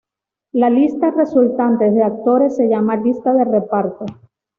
La lista resultante de actores se llama lista de reparto.